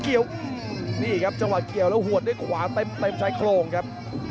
เกี่ยวนี่ครับจังหวะเกี่ยวแล้วหัวด้วยขวาเต็มชายโครงครับ